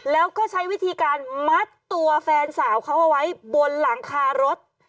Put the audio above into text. แล้วก็ใช้วิธีการมัดตัวแฟนสาวเขาเอาไว้บนหลังคารถ